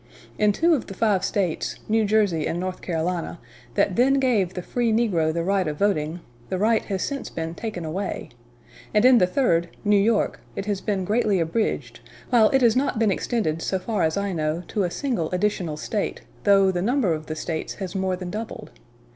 In two of the five States New Jersey and North Carolina that then gave the free negro the right of voting, the right has since been taken away; and in the third New York it has been greatly abridged; while it has not been extended, so far as I know, to a single additional State, though the number of the States has more than doubled.